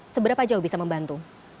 seberapa jauh bisa membantu